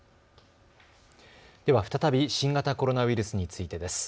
では再び新型コロナウイルスについてです。